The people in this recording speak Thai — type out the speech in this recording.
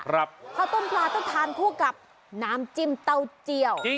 ข้าวต้มปลาต้องทานคู่กับน้ำจิ้มเต้าเจียว